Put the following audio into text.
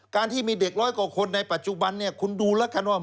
การที่มีเด็กร้อยกว่าคนในปัจจุบันคุณดูแล้วครับ